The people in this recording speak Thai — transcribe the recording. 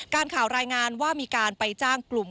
ข่าวรายงานว่ามีการไปจ้างกลุ่ม